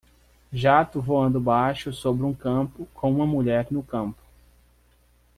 Jato voando baixo sobre um campo com uma mulher no campo.